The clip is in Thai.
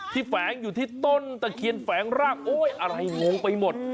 แฝงอยู่ที่ต้นตะเคียนแฝงร่างโอ้ยอะไรงงไปหมด